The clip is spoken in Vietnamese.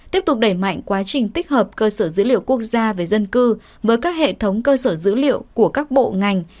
tiếp tục đẩy mạnh quá trình tích hợp cơ sở dữ liệu quốc gia về dân cư với các hệ thống cơ sở dữ liệu của các bộ ngành